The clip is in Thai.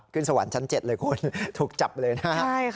ขึ้นสวรรค์ชั้นเจ็ดเลยคุณถูกจับเลยนะฮะใช่ค่ะ